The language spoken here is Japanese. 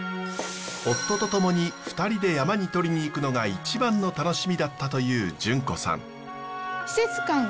夫と共に２人で山にとりに行くのが一番の楽しみだったという順子さん。